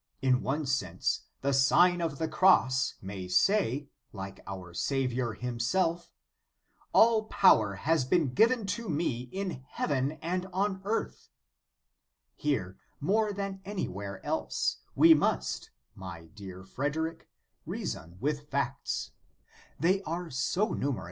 In one sense the Sign of the Cross may say, like our Saviour Himself: "All power has been given to me in heaven and on earth." Here, more than anywhere else, we must, my dear Frederic, reason with facts. They are so numerous * Lib. de 83 quaest., quaest. 79.